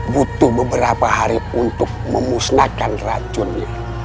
butuh beberapa hari untuk memusnahkan racunnya